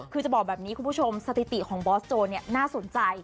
คือจะบอกแบบนี้คุณผู้ชมสถิติของบอสโจเนี่ยน่าสนใจ